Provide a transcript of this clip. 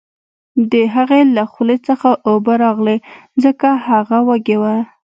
د هغې له خولې څخه اوبه راغلې ځکه هغه وږې وه